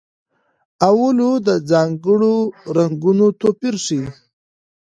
اولو د ځانګړو رنګونو توپیر ښيي.